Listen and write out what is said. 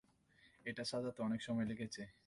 এটা সাজাতে অনেক সময় লেগেছে।